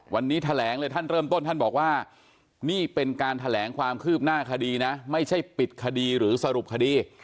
วันนี้แถลงเลยท่านเริ่มต้นท่านบอกว่านี่เป็นการแถลงความคืบหน้าคดีนะไม่ใช่ปิดคดีหรือสรุปคดี